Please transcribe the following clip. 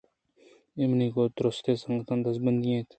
اے منی گوں درستیں سنگتاں دزبندی اِنت